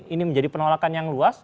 ini menjadi penolakan yang luas